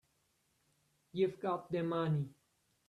You've got the money.